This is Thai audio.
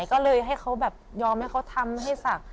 ก็เลยให้เขาแบบยอมให้เขาทำให้ศักดิ์